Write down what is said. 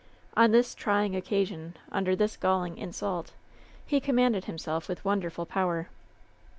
On this trying occasion, under this galling insult, he commanded himself with wonderful power.